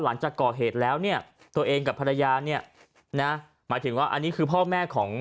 หลังจากก่อเหตุแล้วเนี่ยตัวเองกับภรรยาเนี่ยนะหมายถึงว่าอันนี้คือพ่อแม่ของ